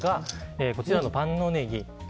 こちらの万能ネギ。